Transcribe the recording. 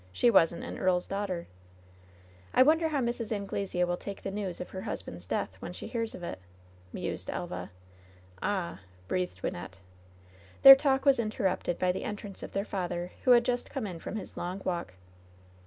She wasn't an earl's daughter !" "I wonder how Mrs. Anglesea will take the news of her husband's death, when she hears of it," mused Elva. "Ah !" breathed Wynnette. Their talk was interrupted by the entrance of their father, who had just come in from his long walk.